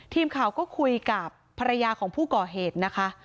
ทีมข่าวก็คุยกับภรรยาของผู้ก่อเหตุนะคะ